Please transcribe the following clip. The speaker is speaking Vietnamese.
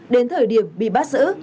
đến thời điểm bị bắt sử